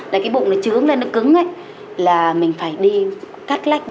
là cái bụng nó trướng lên nó cứng là mình phải đi cắt lách